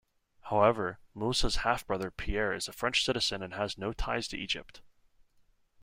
However, Moussa's half-brother Pierre is a French citizen and has no ties to Egypt.